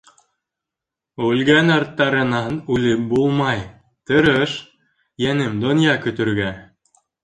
Үлгән арттарынан үлеп булмай - Тырыш, йәнем, донъя көтөргә.